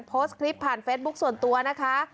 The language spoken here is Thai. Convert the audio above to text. โพสต์คลิปผ่านเฟซบุ๊คส่วนตัวนะคะ